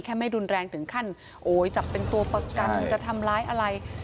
ไม่รุนแรงถึงขั้นโอ้ยจับเป็นตัวประกันจะทำร้ายอะไร